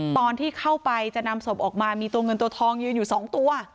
ตอนที่เข้าไปจะนำศพออกมามีตัวเงินตัวทองยืนอยู่๒ตัว